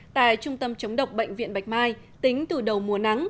tại trung tâm chống độc bệnh viện bạch mai tính từ đầu mùa nắng